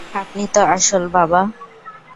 আপনি তো আসল, বাবা?